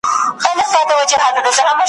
شکرباسي په قانع وي او خندیږي `